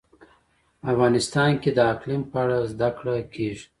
افغانستان کې د اقلیم په اړه زده کړه کېږي.